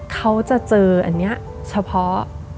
เขาจะเจออันนี้เฉพาะ